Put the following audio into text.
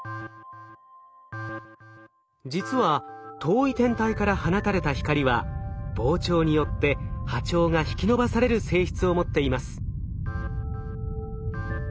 実は遠い天体から放たれた光は膨張によって波長が引き伸ばされる性質を持っています。